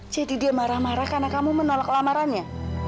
jadi dia marah marah karena kamu menolak lamarannya